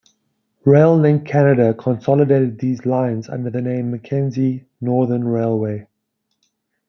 RailLink Canada consolidated these lines under the name Mackenzie Northern Railway.